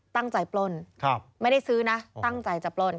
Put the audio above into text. ปล้นไม่ได้ซื้อนะตั้งใจจะปล้น